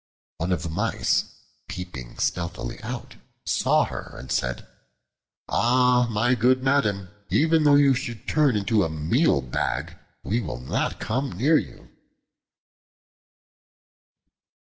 One of the Mice, peeping stealthily out, saw her and said, "Ah, my good madam, even though you should turn into a meal bag, we will not come near you."